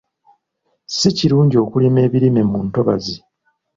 Si kirungi okulima ebirime mu ntobazi.